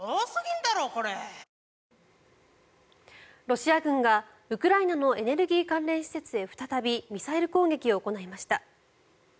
ロシア軍がウクライナのエネルギー関連施設へ再びミサイル攻撃を行いました。